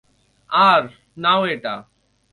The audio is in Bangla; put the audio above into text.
আর, নাও এটা।